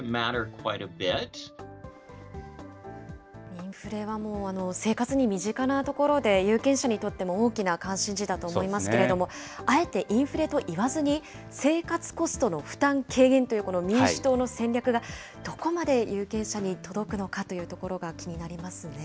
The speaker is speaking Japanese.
インフレはもう、生活に身近なところで、有権者にとっても大きな関心事だと思いますけれども、あえてインフレと言わずに生活コストの負担軽減という、この民主党の戦略が、どこまで有権者に届くのかというところが気になりますね。